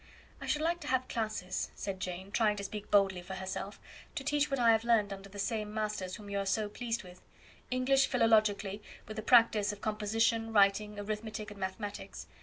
"I should like to have classes," said Jane trying to speak boldly for herself; "to teach what I have learned under the same masters whom you are so pleased with English philologically, with the practice of composition, writing, arithmetic, and mathematics.